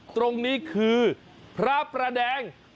ตรงนี้คือพระประแดง